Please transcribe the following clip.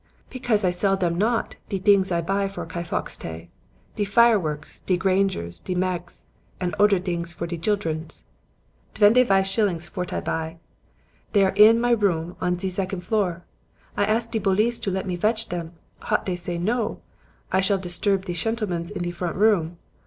"'Pecause I shall sell dem not, de dings vot I buy for Ky fox tay; de fireworks, de gragers, de masgs and oder dings vor de chiltrens. Dvendy vaive shillings vort I buy. Dey are in my room on ze zecond floor. I ask de bolice to let me vetch dem, hot dey say no; I shall disturb de chentlemens in de front room.